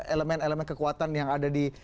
elemen elemen kekuatan yang ada di